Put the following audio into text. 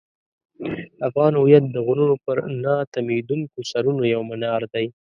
افغان هویت د غرونو پر نه تمېدونکو سرونو یو منار دی.